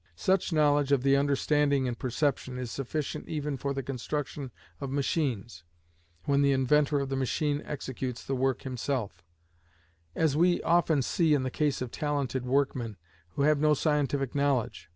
Such knowledge of the understanding in perception is sufficient even for the construction of machines, when the inventor of the machine executes the work himself; as we often see in the case of talented workmen, who have no scientific knowledge.